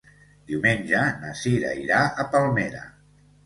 Diumenge na Cira irà a Palmera.